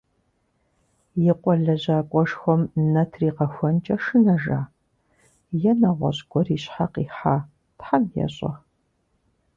И къуэ лэжьакӀуэшхуэм нэ тригъэхуэнкӀэ шынэжа, е нэгъуэщӀ гуэр и щхьэ къихьа, Тхьэм ещӏэ.